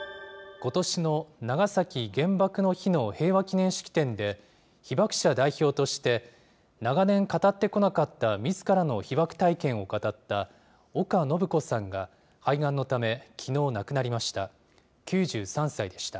ことしの長崎原爆の日の平和祈念式典で、被爆者代表として、長年語ってこなかったみずからの被爆体験を語った岡信子さんが肺がんのため、きのう亡くなりました。